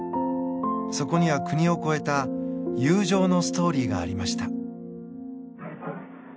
そこには国を越えた友情のストーリーがありました。